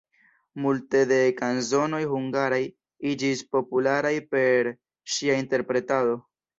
Multe de kanzonoj hungaraj iĝis popularaj per ŝia interpretado.